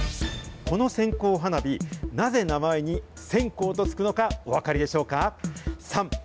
この線香花火、なぜ名前に線香と付くのかお分かりでしょうか？